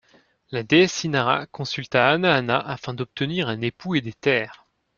La déesse Inara consulta Hannahannah afin d'obtenir un époux et des terres.